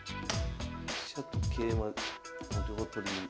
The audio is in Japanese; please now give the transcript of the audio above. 飛車と桂馬の両取り。